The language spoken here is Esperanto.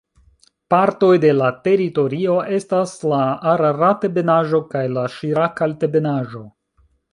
Partoj de la teritorio estas la Ararat-ebenaĵo kaj la Ŝirak-altebenaĵo.